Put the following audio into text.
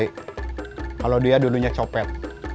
kalau dia dulunya copet